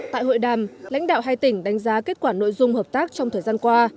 tại hội đàm lãnh đạo hai tỉnh đánh giá kết quả nội dung hợp tác trong thời gian qua